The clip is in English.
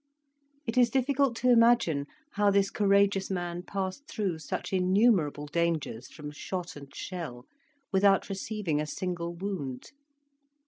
It is difficult to imagine how this courageous man passed through such innumerable dangers from shot and shell without receiving a single wound.